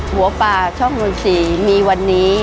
หัวป่าช่องนนทรีย์มีวันนี้